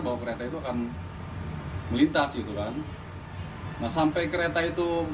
bahwa kereta itu kan melintas itu kan sampai kereta itu